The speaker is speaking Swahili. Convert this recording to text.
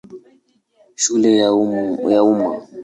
Shule ya Umma.